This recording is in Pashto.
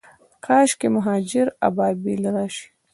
کاشکي مهاجر ابابیل راشي